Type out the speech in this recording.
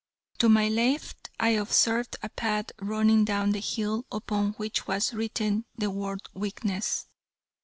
To my left I observed a path running down the hill upon which was written the word weakness.